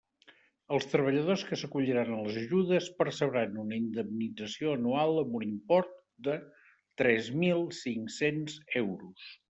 Els treballadors que s'acolliran a les ajudes percebran una indemnització anual amb un import de tres mil cinc-cents euros.